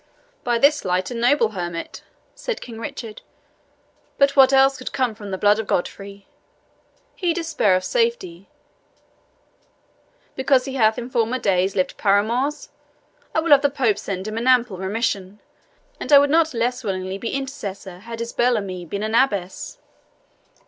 "By this light, a noble hermit!" said King Richard. "But what else could come from the blood of Godfrey? HE despair of safety, because he hath in former days lived PAR AMOURS? I will have the Pope send him an ample remission, and I would not less willingly be intercessor had his BELLE AMIE been an abbess."